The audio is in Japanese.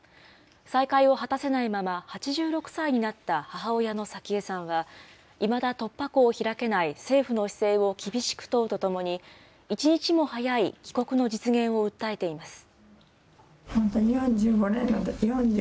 再会を果たせないまま、８６歳になった母親の早紀江さんは、いまだ突破口を開けない政府の姿勢を厳しく問うとともに、一日も早い帰国の実現を訴えています。